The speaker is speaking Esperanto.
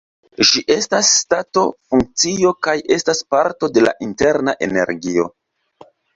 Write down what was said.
Ĝi estas stato-funkcio kaj estas parto de la interna energio.